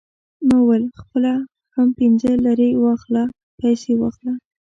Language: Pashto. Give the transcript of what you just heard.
ما وویل: خپله هم پنځه لېرې واخله، پیسې واخله.